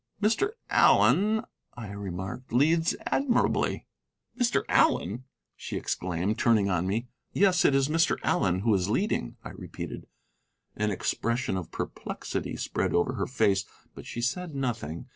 "Mr. Allen," I remarked, "leads admirably." "Mr. Allen!" she exclaimed, turning on me. "Yes, it is Mr. Allen who is leading," I repeated. An expression of perplexity spread over her face, but she said nothing.